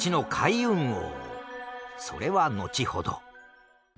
それはのちほど。